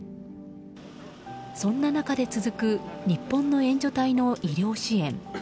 そんな中で続く日本の援助隊の医療支援。